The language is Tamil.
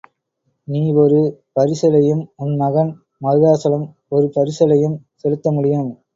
நீ ஒரு பரிசலையும், உன் மகன் மருதாசலம், ஒரு பரிசலையும் செலுத்த முடியும்.